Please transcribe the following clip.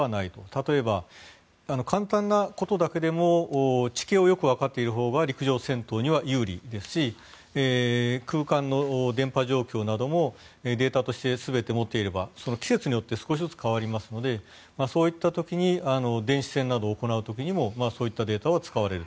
例えば、簡単なことだけでも地形をよくわかっているほうが陸上戦闘には有利ですし空間の電波状況などもデータとして全て持っていれば季節によって少しずつ変わりますのでそういった時に電子戦などを行う時にもそういったデータが使われる。